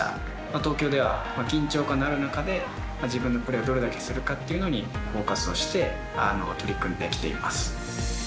東京では緊張感の中で自分のプレーどれだけするかっていうのにフォーカスして取り組んできています。